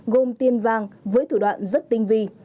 gồm tiên vang với thủ đoạn rất tinh vi